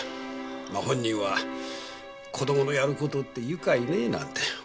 まあ本人は子供のやる事って愉快ねなんて笑っていたが。